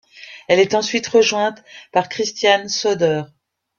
Elle est ensuite rejointe par Christiane Soeder.